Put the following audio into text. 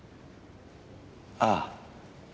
ああ。